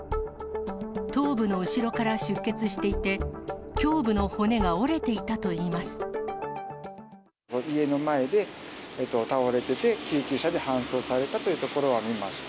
頭部の後ろから出血していて、家の前で倒れてて、救急車で搬送されたというところは見ました。